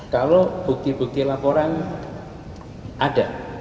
kalau bukti bukti laporan ada